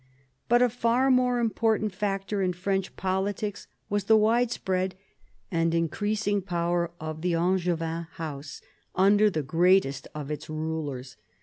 But a far more important factor in French politics was the 10 PHILIP AUGUSTUS chap. widespread and increasing power of the Angevin house under the greatest of its rulers.